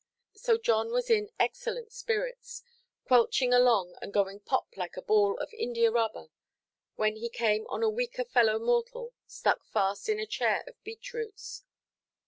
So John was in excellent spirits, quelching along and going pop like a ball of India–rubber, when he came on a weaker fellow–mortal, stuck fast in a chair of beech–roots.